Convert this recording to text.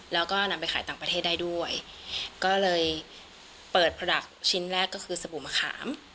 แล้วก็นำไปขายต่างประเทศได้ด้วยก็เลยเปิดประดับชิ้นแรกก็คือสบู่มะขาม